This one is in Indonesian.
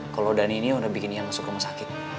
kalau dhani ini udah bikin yang masuk rumah sakit